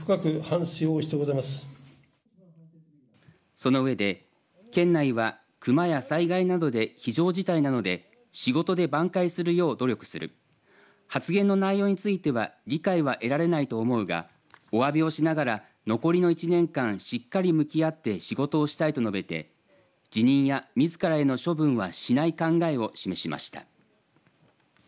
そのうえで県内はクマや災害などで非常事態なので仕事で挽回するよう努力する発言の内容については理解は得られないと思うがおわびをしながら残りの１年間しっかり向き合って仕事をしたいと述べて辞任や、みずからへの処分はしない考えを示しました。